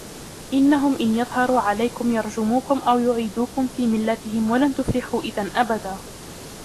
إنهم إن يظهروا عليكم يرجموكم أو يعيدوكم في ملتهم ولن تفلحوا إذا أبدا